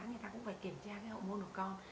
người ta cũng phải kiểm tra cái học môn của con